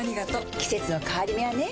季節の変わり目はねうん。